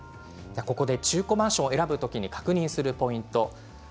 中古マンションを選ぶ時に確認するポイントです。